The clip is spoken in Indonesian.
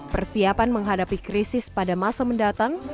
persiapan menghadapi krisis pada masa mendatang